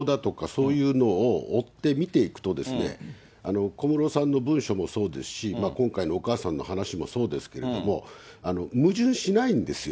いや、実はね、じっくりと今までのこと、報道だとかそういうのを追って見ていくと、小室さんの文書もそうですし、今回のお母さんの話もそうですけれども、矛盾しないんですよ。